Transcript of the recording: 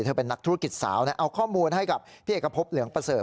เป็นนักธุรกิจสาวเอาข้อมูลให้กับพี่เอกพบเหลืองประเสริฐ